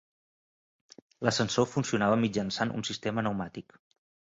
L'ascensor funcionava mitjançant un sistema pneumàtic.